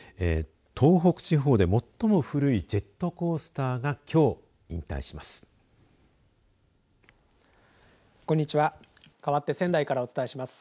東北地方で最も古いジェットコースターがきょう引退します。